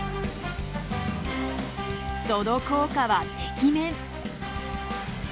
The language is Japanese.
その効果はてきめん！